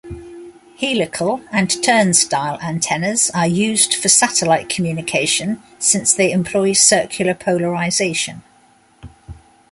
Helical and turnstile antennas are used for satellite communication since they employ circular polarization.